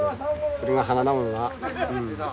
それが華だもんな。